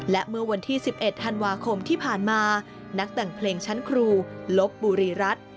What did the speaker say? และเมื่อวันที่๑๑ธันวาคมที่ผ่านมานักแต่งเพลงชั้นครูลบบุรีรัฐ